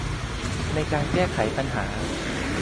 ในการแก้ไขปัญหา